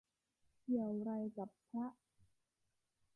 เกี่ยวไรกับพระ